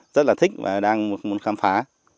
rất là thích và đang muốn khám phá